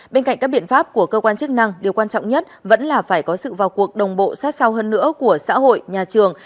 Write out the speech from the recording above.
bên cạnh các biện pháp của cơ quan chức năng điều quan trọng nhất vẫn là phải có sự vào cuộc đồng bộ sát sao hơn nữa của xã hội nhà trường